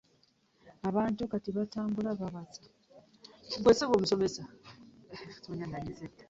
Abantu kati batambula babaza.